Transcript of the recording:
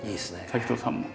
滝藤さんも。